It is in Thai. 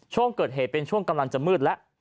ช่วงเกิดเหตุเป็นช่วงกำลังจะมืดแล้ว